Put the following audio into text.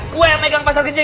gue yang megang pasang kecil